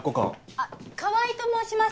あっ川合と申します。